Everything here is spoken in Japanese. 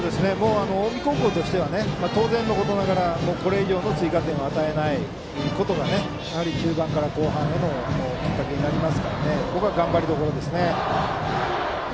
近江高校としては当然のことながらこれ以上の追加点は与えないことが中盤から後半へのきっかけになりますからここは頑張りどころですね。